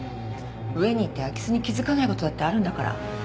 上にいて空き巣に気付かないことだってあるんだから